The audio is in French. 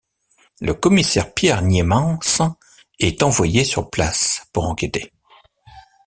Le commissaire Pierre Niémans est envoyé sur place pour enquêter.